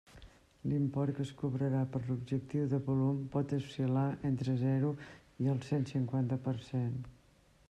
L'import que es cobrarà per l'objectiu de volum pot oscil·lar entre zero i el cent cinquanta per cent.